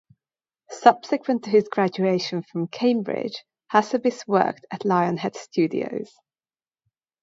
Subsequent to his graduation from Cambridge, Hassabis worked at Lionhead Studios.